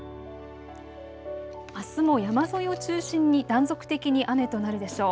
あすも山沿いを中心に断続的に雨となるでしょう。